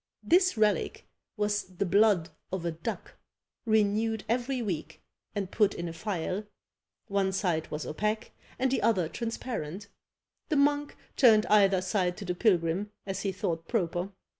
This relic was the blood of a duck, renewed every week, and put in a phial; one side was opaque, and the other transparent; the monk turned either side to the pilgrim, as he thought proper.